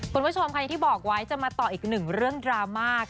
คุณผู้ชมค่ะอย่างที่บอกไว้จะมาต่ออีกหนึ่งเรื่องดราม่า